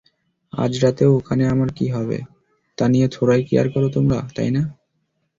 আজরাতে ওখানে আমার কী হবে, তা নিয়ে থোড়াই কেয়ার তোমার, তাই না?